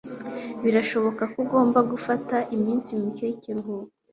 Birashoboka ko ugomba gufata iminsi mike y'ikiruhuko.